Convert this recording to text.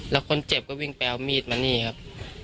แล้วคนเจ็บก็วิ่งไปเอามีดมานี่ครับ